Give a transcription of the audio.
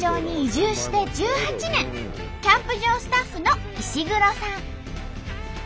１８年キャンプ場スタッフの石黒さん。